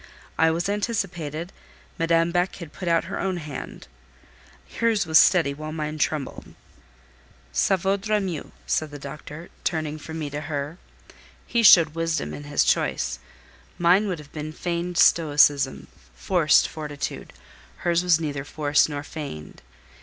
I was anticipated; Madame Beck had put out her own hand: hers was steady while mine trembled. "Ca vaudra mieux," said the doctor, turning from me to her. He showed wisdom in his choice. Mine would have been feigned stoicism, forced fortitude. Hers was neither forced nor feigned.